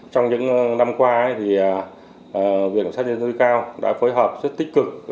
trong những năm qua viện cảnh sát nhân dưới cao đã phối hợp rất tích cực